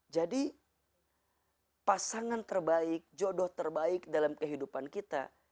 jadi pasangan terbaik jodoh terbaik dalam kehidupan kita